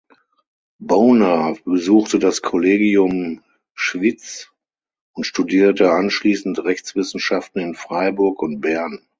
Boner besuchte das Kollegium Schwyz und studierte anschliessend Rechtswissenschaften in Freiburg und Bern.